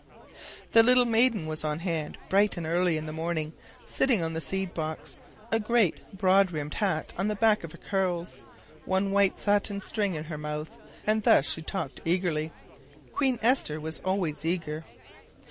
The little maiden was on hand bright and early in the morning, sitting on the seed box, a great broad brimmed hat on the back of her curls, one white satin string in her mouth, and thus she talked eagerly. Queen Esther was always eager.